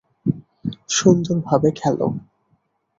সুন্দর ভাবে খেলো।